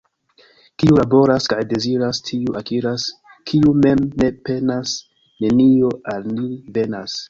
Kiu laboras kaj deziras, tiu akiras — kiu mem ne penas, nenio al li venas.